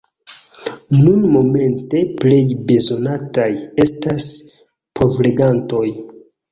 Nunmomente plej bezonataj estas provlegantoj.